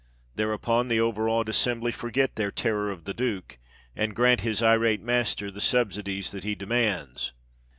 Thereupon the overawed assembly forget their terror of the duke, and grant his irate master the subsidies that he demands.